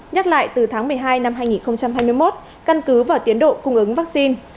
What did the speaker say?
nhắc lại từ tháng một mươi hai năm hai nghìn hai mươi một căn cứ vào tiến độ cung ứng vaccine